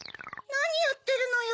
なにやってるのよ。